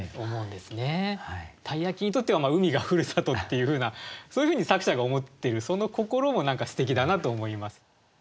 鯛焼にとっては海がふるさとっていうふうなそういうふうに作者が思ってるその心も何かすてきだなと思います。